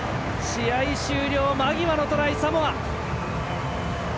試合終了間際のトライ、サモア。